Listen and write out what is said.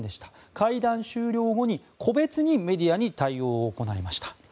会談終了後に個別にメディアを対応を行いました。